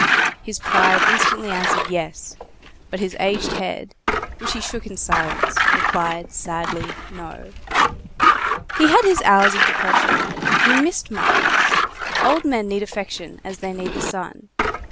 His pride instantly answered "yes," but his aged head, which he shook in silence, replied sadly "no." He had his hours of depression. He missed Marius. Old men need affection as they need the sun.